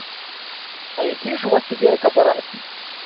А якія ж у вас цяперака парадкі?